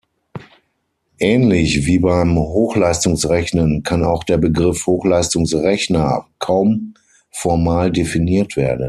Ähnlich wie beim Hochleistungsrechnen kann auch der Begriff Hochleistungsrechner kaum formal definiert werden.